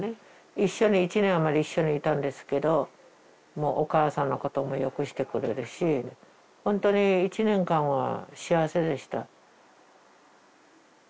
一緒に１年余り一緒にいたんですけどもうお母さんのこともよくしてくれるし本当に１年間は幸せでした。